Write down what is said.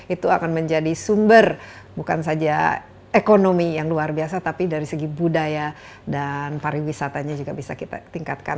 itu akan menjadi sumber bukan saja ekonomi yang luar biasa tapi dari segi budaya dan pariwisatanya juga bisa kita tingkatkan